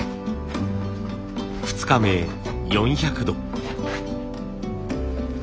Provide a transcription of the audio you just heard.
２日目４００度。